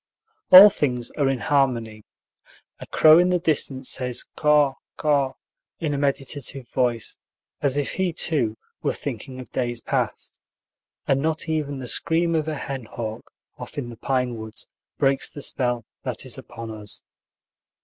All things are in harmony. A crow in the distance says caw, caw in a meditative voice, as if he, too, were thinking of days past; and not even the scream of a hen hawk, off in the pine woods, breaks the spell that is upon us.